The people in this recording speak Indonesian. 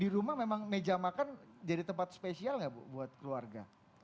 di rumah memang meja makan jadi tempat spesial nggak bu buat keluarga